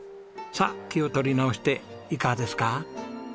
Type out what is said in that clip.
さあ気を取り直していかがですか？